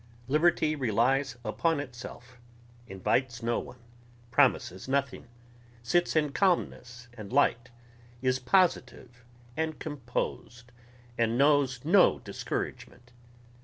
Liberty relies upon itself, invites no one, promises nothing, sits in calmness and light, is positive and composed, and knows no discouragement.